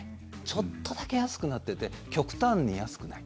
ちょっとだけ安くなってて極端に安くない。